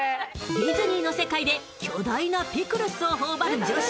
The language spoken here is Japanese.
ディズニーの世界で巨大なピクルスをほおばる女子